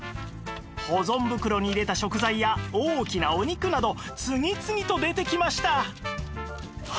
保存袋に入れた食材や大きなお肉など次々と出てきました